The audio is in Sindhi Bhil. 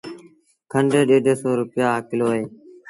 کنڍ ڏيڍ سو رپيآ ڪلو اهي۔